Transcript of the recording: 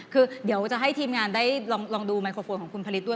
คือเดี๋ยวจะให้ทีมงานได้ลองดูไมโครโฟนของคุณผลิตด้วย